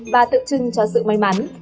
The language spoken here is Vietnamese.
và tự trưng cho sự may mắn